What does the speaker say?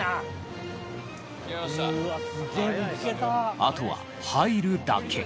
あとは入るだけ。